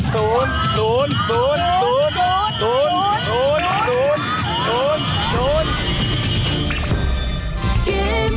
ศูนย์ศูนย์ศูนย์ศูนย์